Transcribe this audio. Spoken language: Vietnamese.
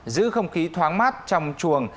giữ không khí thoáng mát trong chuồng